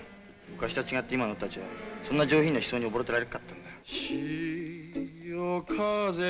昔と違って、今の俺たちがそんな上品な思想に溺れてられるかってんだ。